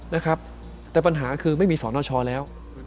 นะครับแต่ปัญหาคือไม่มีสอนอชอแล้ว